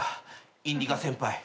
インディカ先輩。